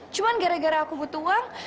cuma gara gara aku butuh uang